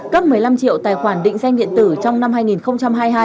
cấp một mươi năm triệu tài khoản định danh điện tử trong năm hai nghìn hai mươi hai